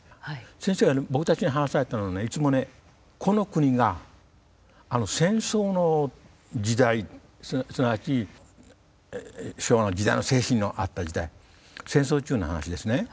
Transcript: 先生が僕たちに話されたのはいつもねこの国が戦争の時代すなわち昭和の時代の精神のあった時代戦争中の話ですね。